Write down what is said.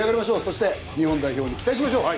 そして日本代表に期待しましょう。